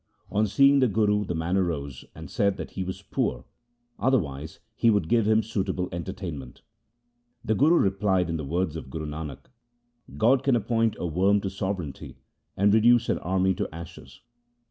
On seeing the Guru the man arose and said that he was poor, otherwise he would give him suitable entertainment. The Guru replied in the words of Guru Nanak :— God can appoint a worm to sovereignty and reduce an army to ashes.